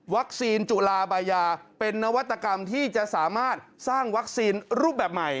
จุลาบายาเป็นนวัตกรรมที่จะสามารถสร้างวัคซีนรูปแบบใหม่